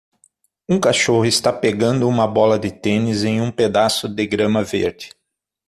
Um cachorro está pegando uma bola de tênis em um pedaço de grama verde.